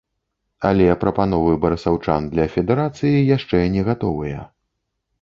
Але прапановы барысаўчан для федэрацыі яшчэ не гатовыя.